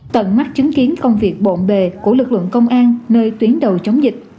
tận mắt chứng kiến công việc bộn bề của lực lượng công an nơi tuyến đầu chống dịch